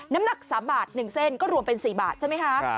น้ำหนัก๓บาท๑เส้นก็รวมเป็น๔บาทใช่ไหมคะ